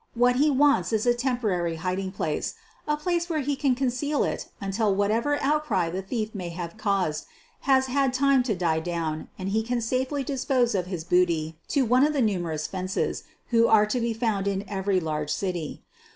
What he wants is a temporary hiding place — a place where he can con ceal it until whatever outcry the theft may have caused has had time to die down and he can safely dispose of his booty to one of the numerous "fences" who are to be found in every large city.